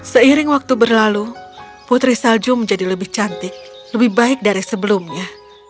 seiring waktu berlalu putri salju menjadi lebih cantik lebih baik dari sebelumnya